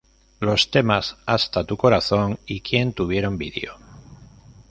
Los temas Hasta tu corazón y Quien tuvieron video.